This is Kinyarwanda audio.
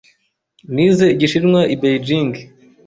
Nize Igishinwa i Beijing.